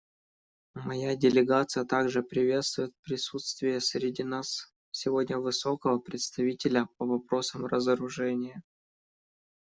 Моя делегация также приветствует присутствие среди нас сегодня Высокого представителя по вопросам разоружения.